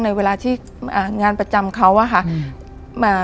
เวลาที่งานประจำเขาอะค่ะ